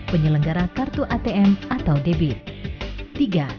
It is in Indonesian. penyelenggara kartu atm atau debit